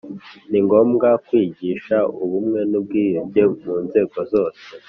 Ni ngombwa kwigisha ubumwe n’ubwiyunge mu nzego zosee